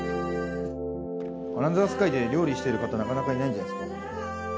『アナザースカイ』で料理してる方なかなかいないんじゃないすか？